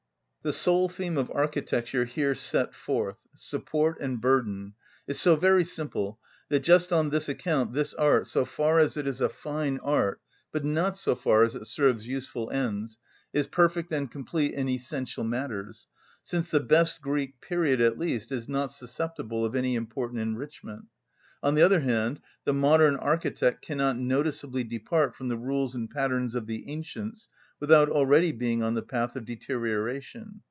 The sole theme of architecture here set forth—support and burden—is so very simple, that just on this account this art, so far as it is a fine art (but not so far as it serves useful ends), is perfect and complete in essential matters, since the best Greek period, at least, is not susceptible of any important enrichment. On the other hand, the modern architect cannot noticeably depart from the rules and patterns of the ancients without already being on the path of deterioration.